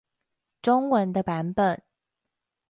中文的版本